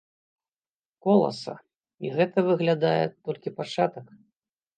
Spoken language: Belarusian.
Коласа, і гэта, выглядае, толькі пачатак.